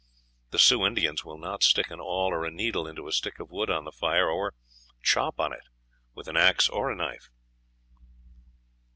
The Sioux Indians will not stick an awl or a needle into a stick of wood on the fire, or chop on it with an axe or a knife.